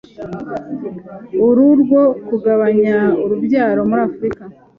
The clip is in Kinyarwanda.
ari urwo kugabanya urubyaro muri Afurika